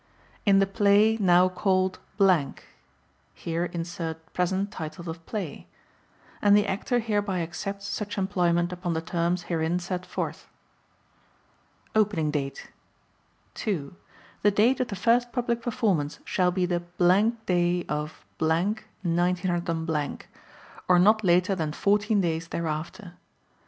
in the play now called (Here insert present title of play) and the Actor hereby accepts such employment upon the terms herein set forth. Opening Date 2. The date of the first public performance shall be the day of , 19 , or not later than fourteen days thereafter.